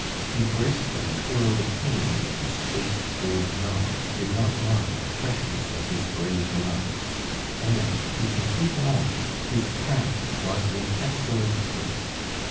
He gracefully twirled a cane, whose chased gold knob did not mar the freshness of his gray gloves. And to complete all, his cap was in excellent taste.